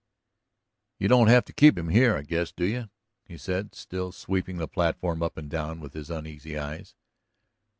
"You don't have to keep him in here, I guess, do you?" he said, still sweeping the platform up and down with his uneasy eyes.